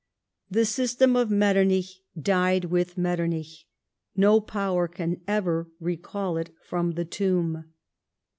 The system of Metternich died with Metternich. No power can ever recall it from the tomb.